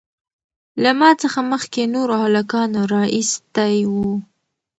له ما څخه مخکې نورو هلکانو رااېستى وو.